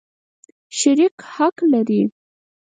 شریک حق لري.